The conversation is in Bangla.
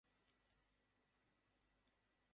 কথা দে তুই নিরাপদে থাকবি।